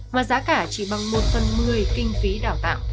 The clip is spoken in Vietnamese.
mà giá cả chỉ bằng một phần một mươi kinh phí đào tạo